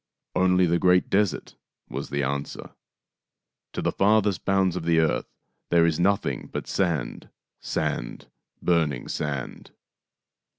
" Only the great desert," was the answer. " To the farthest bounds of the earth there is nothing but sand, sand, burning sand."